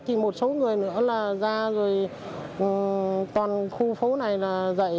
thì một số người nữa là ra rồi toàn khu phố này là dậy